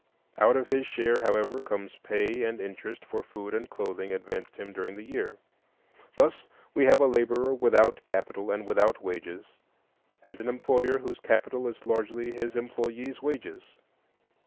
Out of his share, however, comes pay and interest for food and clothing advanced him during the year. Thus we have a laborer without capital and without wages, and an employer whose capital is largely his employees' wages.